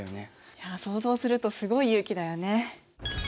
いや想像するとすごい勇気だよね。